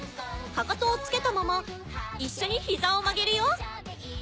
かかとをつけたまま一緒に膝を曲げるよ。